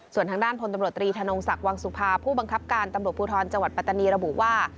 ส่วนทางด้านพลตำรวจตรีธนงศักดิ์วังสุภาผู้บังคับการตำรวจภูทรจังหวัดปัตตานีระบุว่า